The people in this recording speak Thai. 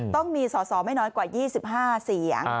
ต้องมีสอสอไม่น้อยกว่า๒๕เสียง